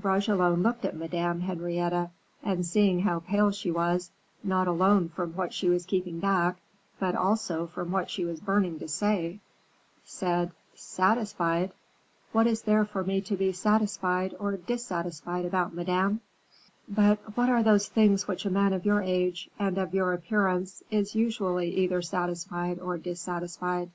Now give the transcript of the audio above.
Bragelonne looked at Madame Henrietta, and seeing how pale she was, not alone from what she was keeping back, but also from what she was burning to say, said: "Satisfied! what is there for me to be satisfied or dissatisfied about, Madame?" "But what are those things with which a man of your age, and of your appearance, is usually either satisfied or dissatisfied?"